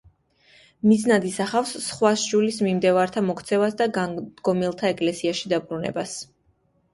მიზნად ისახავს სხვა სჯულის მიმდევართა მოქცევას და განდგომილთა ეკლესიაში დაბრუნებას.